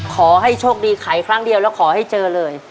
ขอให้โชคดีไขครั้งเดียวแล้วขอให้เจอเลย